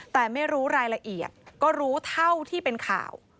แต่ไม่รู้รายละเอียดก็รู้เท่าที่เป็นข่าว